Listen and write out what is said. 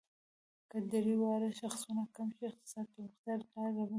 که درې واړه شاخصونه کم شي، اقتصادي پرمختیا رامنځ ته کیږي.